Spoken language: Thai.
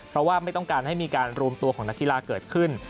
เพราะว่าไม่ต้องการให้มีการรวมตัวของนักกีฬาเกิดขึ้น